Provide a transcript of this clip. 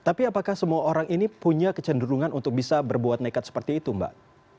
tapi apakah semua orang ini punya kecenderungan untuk bisa berbuat nekat seperti itu mbak